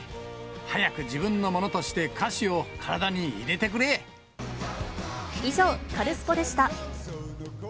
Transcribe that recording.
早く自分のものとして歌詞を体に以上、カルスポっ！でした。